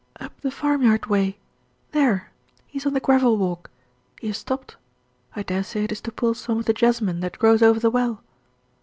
"Up the farm yard way. There he is on the gravel walk. He has stopped; I dare say it is to pull some of the jessamine that grows over the well.